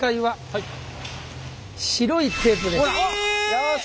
よし！